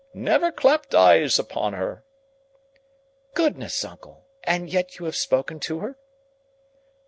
Never clapped eyes upon her!" "Goodness, uncle! And yet you have spoken to her?"